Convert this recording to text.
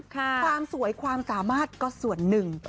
ความสวยความสามารถก็ส่วนหนึ่ง